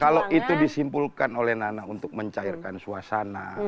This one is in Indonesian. kalau itu disimpulkan oleh nana untuk mencairkan suasana